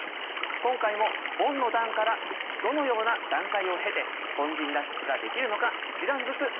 今回もボンの段からどのような段階を経て凡人脱出ができるのか１段ずつ見ていきます。